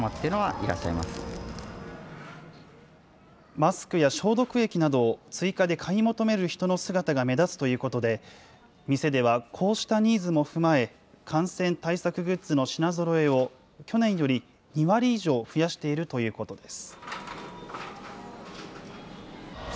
マスクや消毒液などを追加で買い求める人の姿が目立つということで、店ではこうしたニーズも踏まえ、感染対策グッズの品ぞろえを、去年より２割以上増やしているということです。